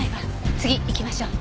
次行きましょう。